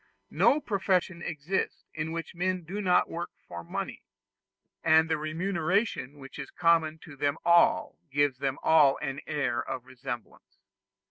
No profession exists in which men do not work for money; and the remuneration which is common to them all gives them all an air of resemblance.